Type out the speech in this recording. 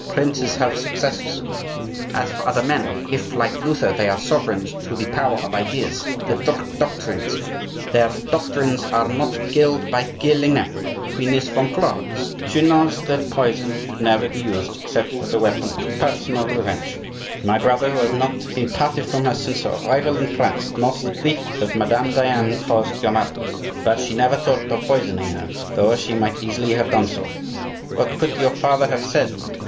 Princes have successors. As for other men, if, like Luther, they are sovereigns through the power of ideas, their doctrines are not killed by killing them. The queen is from Florence; she knows that poison should never be used except as a weapon of personal revenge. My brother, who has not been parted from her since her arrival in France, knows the grief that Madame Diane caused your mother. But she never thought of poisoning her, though she might easily have done so. What could your father have said?